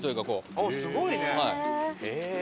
あっすごいね！